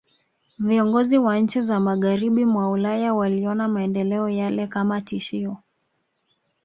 Viongozi wa nchi za Magharibi mwa Ulaya waliona maendeleo yale kama tishio